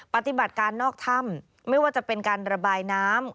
ปฏิบัติการนอกถ้ำไม่ว่าจะเป็นการระบายน้ำ